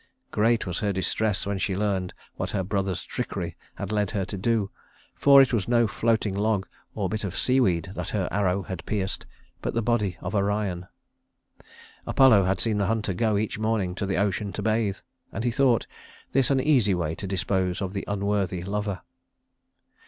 Great was her distress when she learned what her brother's trickery had led her to do; for it was no floating log or bit of seaweed that her arrow had pierced, but the body of Orion. Apollo had seen the hunter go each morning to the ocean to bathe, and he thought this an easy way to dispose of the unworthy lover.